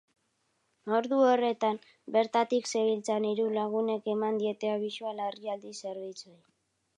Ordu horretan, bertatik zebiltzan hiru lagunek eman diete abisua larrialdi zerbitzuei.